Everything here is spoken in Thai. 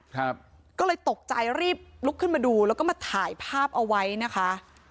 ครับก็เลยตกใจรีบลุกขึ้นมาดูแล้วก็มาถ่ายภาพเอาไว้นะคะ